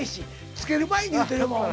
つける前に言うてるもん。